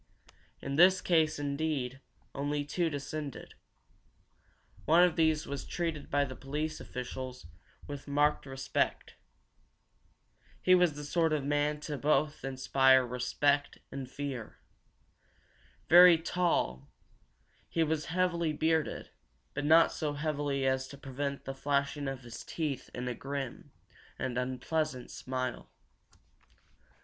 In this case, indeed, only two descended. One of these was treated by the police officials with marked respect. He was the sort of man to inspire both respect and fear. Very tall, he was heavily bearded, but not so heavily as to prevent the flashing of his teeth in a grim and unpleasant smile.